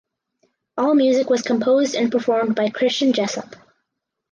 All music was composed and performed by Christian Jessup.